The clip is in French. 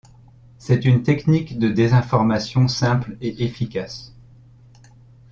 C'est une technique de désinformation simple et efficace.